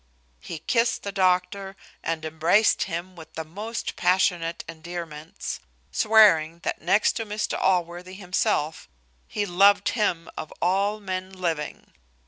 He kissed the doctor, and embraced him with the most passionate endearments; swearing that next to Mr Allworthy himself, he loved him of all men living.